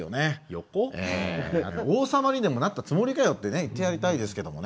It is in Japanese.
王様にでもなったつもりかよって言ってやりたいですけどもね。